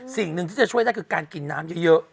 สิ่งหนึ่งที่จะช่วยได้คือการกินน้ำเยอะ